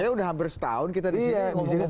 saya udah hampir setahun kita di sini